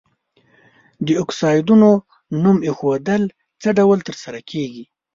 د اکسایدونو نوم ایښودل څه ډول تر سره کیږي؟